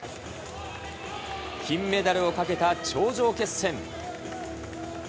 金メダルを懸けた頂上決戦。